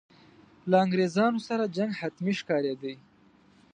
له انګرېزانو سره جنګ حتمي ښکارېدی.